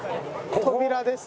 「扉」です。